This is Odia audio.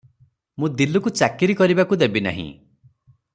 ମୁଁ ଦିଲୁକୁ ଚାକିର କରିବାକୁ ଦେବି ନାହିଁ ।